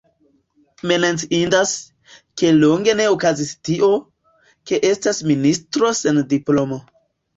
Menciindas, ke longe ne okazis tio, ke estas ministro sen diplomo.